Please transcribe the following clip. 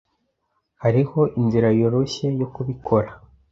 Hariho inzira yoroshye yo kubikora.